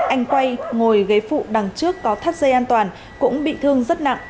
anh quay ngồi ghế phụ đằng trước có thắt dây an toàn cũng bị thương rất nặng